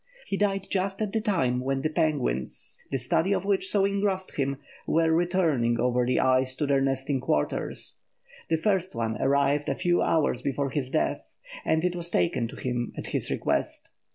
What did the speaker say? He died just at the time when the penguins, the study of which had so engrossed him, were returning over the ice to their nesting quarters. The first one arrived a few hours before his death, and it was taken to him, at his request.